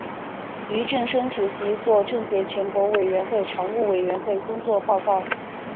俞正声主席作政协全国委员会常务委员会工作报告。